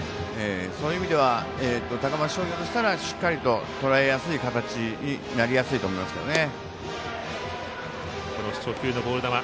そういう意味では高松商業としたらしっかりととらえやすい形になりやすいと思いますけどね。